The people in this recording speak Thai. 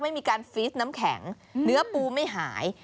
ไม่มีการฟีสน้ำแข็งเนื้อปูไม่หาย